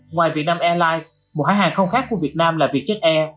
ngoài vietnam airlines một hãng hàng không khác của việt nam là vietjet air